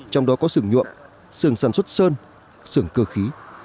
trong đó có sưởng nhuộm sưởng sản xuất sơn sưởng cơ khí